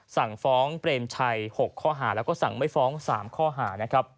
สั่งฟ้องเปรมชัย๖ค่อหาแล้วสั่งไม่ฟ้อง๓ค่อหา